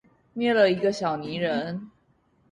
捏了一個小泥人